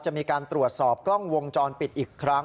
จะมีการตรวจสอบกล้องวงจรปิดอีกครั้ง